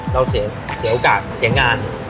เราเสียโอกาสเสียงาน